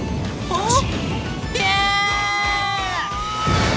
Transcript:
あっ！